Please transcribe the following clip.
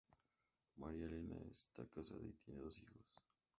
María Elena está casada y tiene dos hijos.